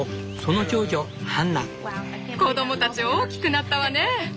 子供たち大きくなったわね！